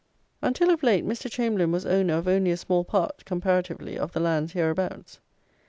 Until of late, Mr. Chamberlayne was owner of only a small part, comparatively, of the lands hereabouts.